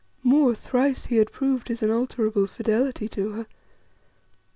More, thrice he had proved his unalterable fidelity to her.